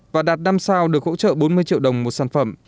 và đạt năm sao được hỗ trợ bốn mươi triệu đồng một sản phẩm